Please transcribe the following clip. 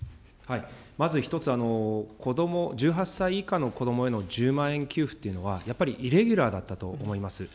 まず一つ、１８歳以下の子どもへの１０万円給付っていうのは、やっぱりイレギュラーだったと思います。